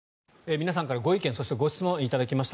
皆さんからご意見・ご質問、頂きました。